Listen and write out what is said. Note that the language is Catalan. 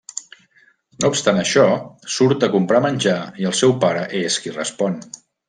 No obstant això, surt a comprar menjar i el seu pare és qui respon.